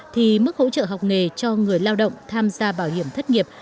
thì mức hỗ trợ học nghề cho người lao động tham gia bảo hiểm thất nghiệp